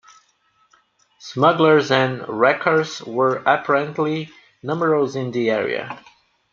Smugglers and wreckers were apparently numerous in the area.